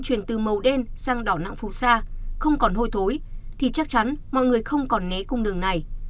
chuyển từ màu đen sang đỏ nặng phù sa không còn hôi thối thì chắc chắn mọi người không còn né cung đường này